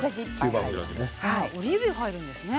オリーブ油が入るんですね。